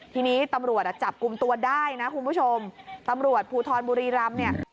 ทีนี้ตำรวจอ่ะจับกลุ่มตัวได้นะคุณผู้ชมตำรวจภูทรบุรีรำเนี่ย